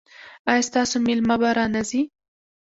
ایا ستاسو میلمه به را نه ځي؟